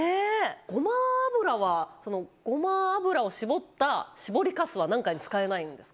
ごま油はごま油を搾った搾りカスは何かに使えないんですか